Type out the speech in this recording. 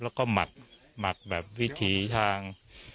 แล้วก็หมักแบบวิถีทาง